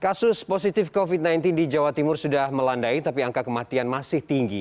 kasus positif covid sembilan belas di jawa timur sudah melandai tapi angka kematian masih tinggi